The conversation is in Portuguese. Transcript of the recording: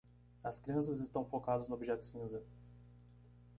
As crianças estão focadas no objeto cinza.